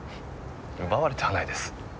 奪われてはないです。